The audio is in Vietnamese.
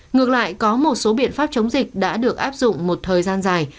ngược lại có một số biện pháp chống dịch đã được áp dụng một thời gian dài